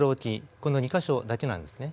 この２か所だけなんですね。